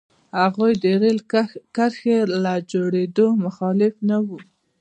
هغوی د رېل کرښې له جوړېدو مخالف نه وو.